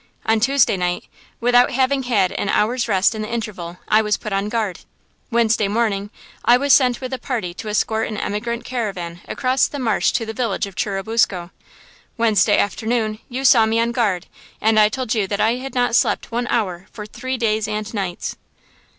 On Tuesday night, without having had an hour's rest in the interval, I was put on guard. Wednesday morning I was sent with a party to escort an emigrant caravan across the marsh to the village of Churubusco. Wednesday afternoon you saw me on guard and I told you that I had not slept one hour for three days and nights."